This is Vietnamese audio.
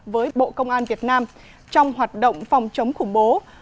với bộ công an việt nam trong hoạt động phòng chống khủng bố